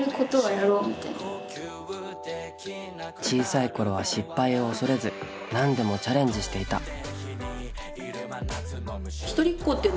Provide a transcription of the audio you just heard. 小さい頃は失敗を恐れず何でもチャレンジしていた。